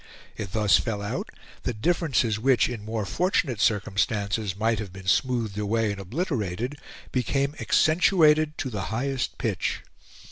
It thus fell out that differences which, in more fortunate circumstances, might have been smoothed away and obliterated, became accentuated to the highest pitch.